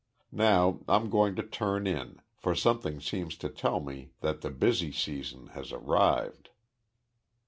Now I'm going to turn in, for something seems to tell me that the busy season has arrived."